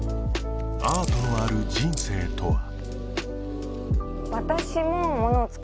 アートのある人生とは？